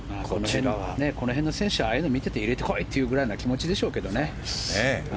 この辺の選手はああいうの見ていて入れてこい！ぐらいの気持ちでしょうけどね。